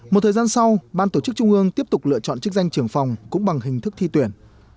một thời gian sau ban tổ chức trung ương tiếp tục lựa chọn chức danh trưởng phòng cũng bằng hình thức thi tuyển